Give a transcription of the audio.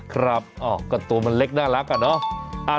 ครับก็ตัวมันเล็กน่ารักอะเนาะ